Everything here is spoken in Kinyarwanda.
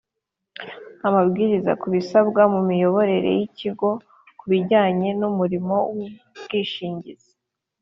Amabwiriza ku bisabwa mu miyoborere y ikigo ku bijyana n umurimo w ubwishingizi